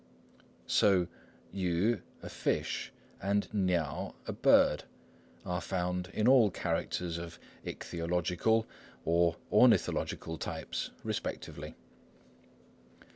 So 魚 yü "a fish" and 鳥 niao "a bird" are found in all characters of ichthyological or ornithological types, respectively.